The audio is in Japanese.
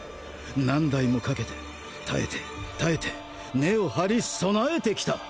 何代もかけて耐えて耐えて根を張り備えてきた！